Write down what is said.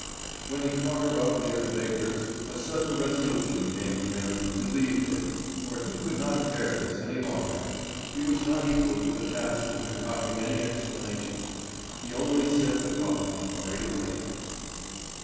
When he caught her up near the baker's, a sudden resolution came to him to leave her, for he could not bear this any longer. He was not equal to the task of concocting any explanation; he only said good bye and hurried away.